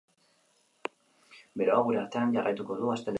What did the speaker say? Beroa gure artean jarraituko du astelehenean.